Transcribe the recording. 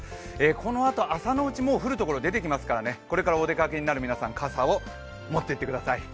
このあと朝のうち、もう降るところが出てきそうですからね、これからお出かけになる皆さん傘を持っていってください。